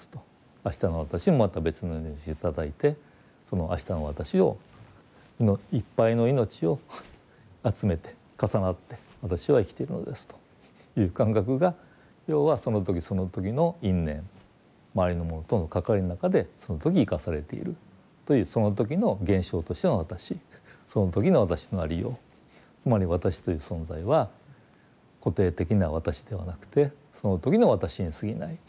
明日の私もまた別の命を頂いてその明日の私をいっぱいの命を集めて重なって私は生きているのですという感覚が要はその時その時の因縁周りのものとの関わりの中でその時生かされているというその時の現象としての私その時の私のありようつまり私という存在は固定的な私ではなくてその時の私にすぎない。